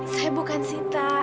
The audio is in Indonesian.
saya bukan sita